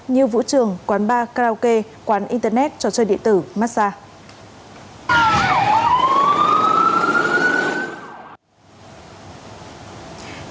như vũ trường quán bar karaoke quán internet trò chơi điện tử massage